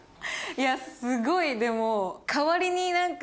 いやすごいでも。